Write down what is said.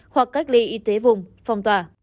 hay ly y tế vùng phòng tỏa